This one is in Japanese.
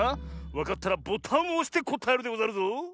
わかったらボタンをおしてこたえるでござるぞ。